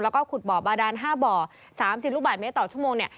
แล้วก็ขุดบ่อบาดาน๕บ่อ๓๐ลูกบาทเมตรต่อชั่วโมงเนี่ย